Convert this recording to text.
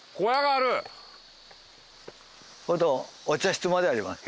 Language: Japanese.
あとお茶室まであります。